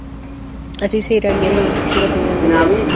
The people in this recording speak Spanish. Así se irá guiando la estructura final deseada.